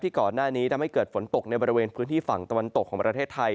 ก่อนหน้านี้ทำให้เกิดฝนตกในบริเวณพื้นที่ฝั่งตะวันตกของประเทศไทย